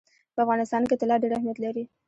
په افغانستان کې طلا ډېر اهمیت لري.